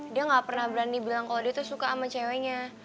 dia gak pernah berani bilang kalau dia tuh suka sama ceweknya